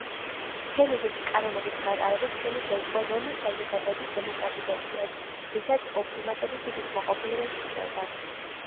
მთელი რიგი კანონების გატარებით ხელი შეუწყო რომის საზოგადოების დემოკრატიზაციას, რითაც ოპტიმატების დიდ უკმაყოფილებას იწვევდა.